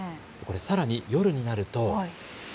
さらに夜になると。